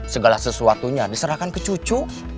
segala sesuatunya diserahkan ke cucu